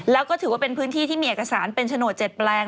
แล้วก็ถือว่าเป็นพื้นที่ที่มีเอกสารเป็นโฉนด๗แปลง